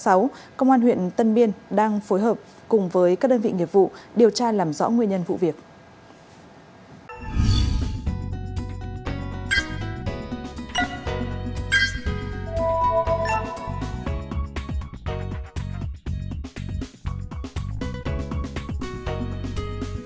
công an huyện tân biên đang phối hợp cùng với các đơn vị nghiệp vụ điều tra làm rõ nguyên nhân vụ việc